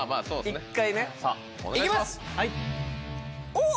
おっ！